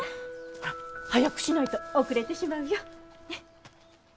ほら早くしないと遅れてしまうよ。